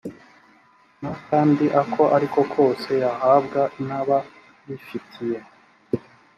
n akandi ako ariko kose yahabwa n ababifitiye